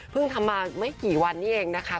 ทำมาไม่กี่วันนี้เองนะคะ